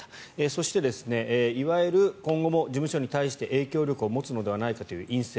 そして、いわゆる今後も事務所に対して影響力を持つのではないかという院政